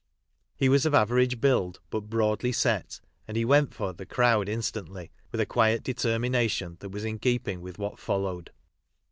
He was of average build, but broadly set, and he " went for " the crowd in stantly with a quiet determination that was in keeping with what followed.